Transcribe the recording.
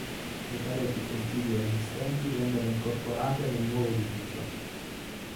Le pareti contigue esistenti vennero incorporate nel nuovo edificio.